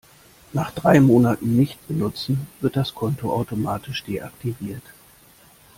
Nach drei Monaten Nichtbenutzung wird das Konto automatisch deaktiviert.